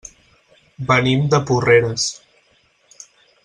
Venim de Porreres.